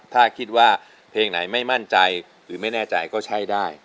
ถ้าคิดว่าเพลงไหนไม่มั่นใจหรือไม่แน่ใจก็ใช้ได้